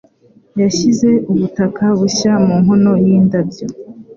Yashyize ubutaka bushya mu nkono yindabyo.